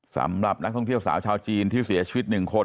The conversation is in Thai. สำหรับนักท่องเที่ยวสาวชาวจีนที่เสียชีวิต๑คน